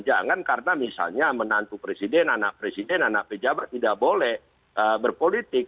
jangan karena misalnya menantu presiden anak presiden anak pejabat tidak boleh berpolitik